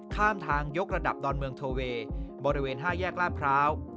ข้ามทางยกระดับดอนเมืองโทเวย์บริเวณ๕แยกลาดพร้าว